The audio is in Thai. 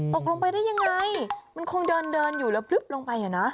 ตกลงไปได้ยังไงมันคงเดินเดินอยู่แล้วพลึบลงไปอ่ะนะ